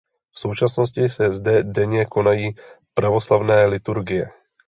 V současnosti se zde denně konají pravoslavné liturgie.